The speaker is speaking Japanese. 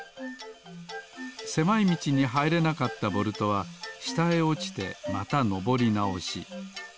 せまいみちにはいれなかったボルトはしたへおちてまたのぼりなおし。